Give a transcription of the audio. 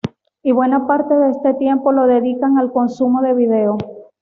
Y buena parte de este tiempo lo dedican al consumo de vídeo.